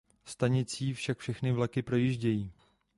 Stanicí však všechny vlaky projíždějí.